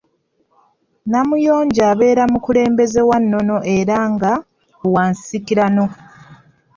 Namuyonjo abeera mukulembeze wa nnono era nga wa nsikirano.